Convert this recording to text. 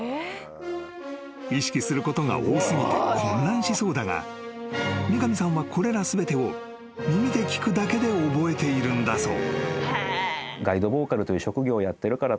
［意識することが多過ぎて混乱しそうだが三上さんはこれら全てを耳で聴くだけで覚えているんだそう］